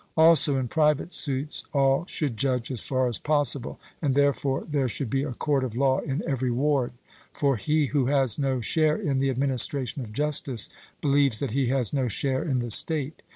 Also in private suits all should judge as far as possible, and therefore there should be a court of law in every ward; for he who has no share in the administration of justice, believes that he has no share in the state.